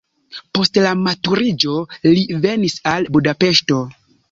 Post la maturiĝo li venis al Budapeŝto.